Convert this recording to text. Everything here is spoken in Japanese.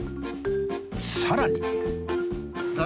さらに